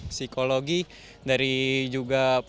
psikologi dari juga